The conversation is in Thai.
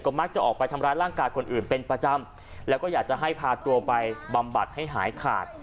มักจะออกไปทำร้ายร่างกายคนอื่นเป็นประจำแล้วก็อยากจะให้พาตัวไปบำบัดให้หายขาด